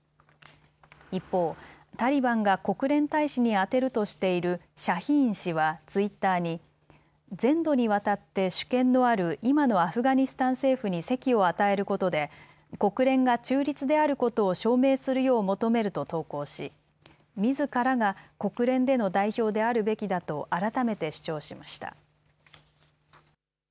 一方、タリバンが国連大使に充てるとしているシャヒーン氏はツイッターに全土にわたって主権のある今のアフガニスタン政府に席を与えることで国連が中立であることを証明するよう求めると投稿しみずからが国連での代表であるべきだと改めて主張しました。